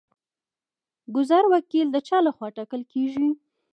ګذر وکیل د چا لخوا ټاکل کیږي؟